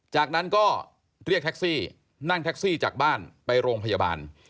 จากนั้นก็เรียกแท็กซี่นั่งแท็กซี่จากบ้านไปโรงพยาบาล